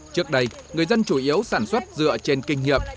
trước đây người dân chủ yếu sản xuất dựa trên kinh nghiệm